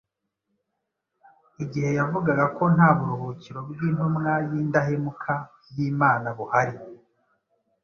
igihe yavugaga ko nta buruhukiro bw’intumwa y’indahemuka y’Imana buhari